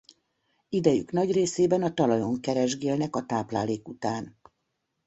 Idejük nagy részében a talajon keresgélnek a táplálék után.